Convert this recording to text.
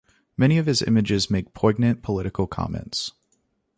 Many of his images make poignant political comments.